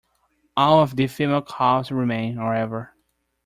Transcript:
All of the female calves remain, however.